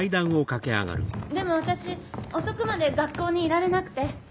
でも私遅くまで学校にいられなくて。